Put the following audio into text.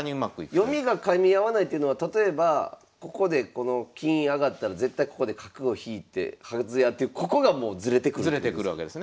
読みがかみ合わないというのは例えばここでこの金上がったら絶対ここで角を引いてはずやってここがもうズレてくるってことですか？